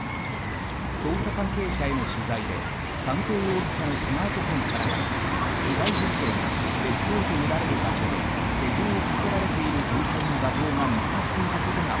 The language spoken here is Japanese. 捜査関係者への取材で三瓶容疑者のスマートフォンからは被害女性が別荘とみられる場所で手錠をかけられている状態の画像が見つかっていたことが